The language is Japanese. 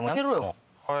はい。